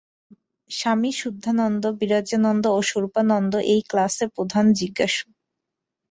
স্বামী শুদ্ধানন্দ, বিরজানন্দ ও স্বরূপানন্দ এই ক্লাসে প্রধান জিজ্ঞাসু।